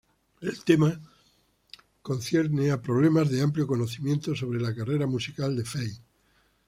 El tema concierne problemas de amplio conocimiento sobre la carrera musical de Fey.